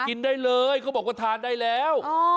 กินได้เลยเขาบอกว่าทานได้แล้ว